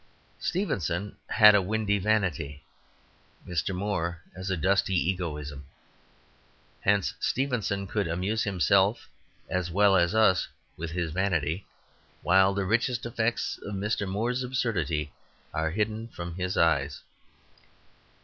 Stevenson had a windy vanity; Mr. Moore has a dusty egoism. Hence Stevenson could amuse himself as well as us with his vanity; while the richest effects of Mr. Moore's absurdity are hidden from his eyes.